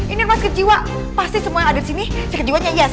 ini rumah sikik jiwa pasti semua yang ada disini sikik jiwanya yes